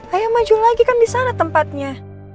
ayo maju lagi kan di sana tempatnya